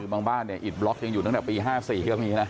นี่ค่ะบางบ้านอิทบล็อกยังอยู่ตั้งแต่ปี๕๔ที่เรามีนะ